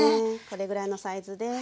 これぐらいのサイズです。